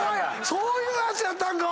そういうやつやったんか！